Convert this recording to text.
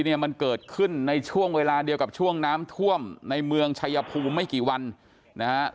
เนี่ยมันเกิดขึ้นในช่วงเวลาเดียวกับช่วงน้ำท่วมในเมืองชายภูมิไม่กี่วันนะฮะ